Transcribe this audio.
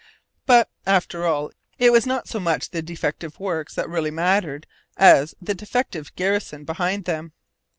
But, after all, it was not so much the defective works that really mattered as the defective garrison behind them.